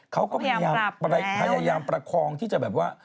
เขาก็พยายามประคองที่จะแบบว่า